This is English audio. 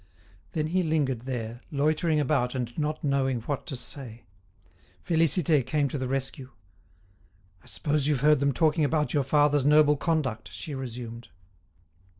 Then he lingered there, loitering about and not knowing what to say. Félicité came to the rescue. "I suppose you've heard them talking about your father's noble conduct?" she resumed.